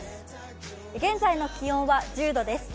現在の気温は１０度です。